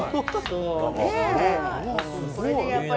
そうね。